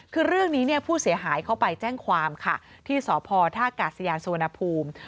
คือเรื่องนี้เนี่ยผู้เสียหายเขาไปแจ้งความค่ะที่สพท่ากาศยานสุวรรณภูมิ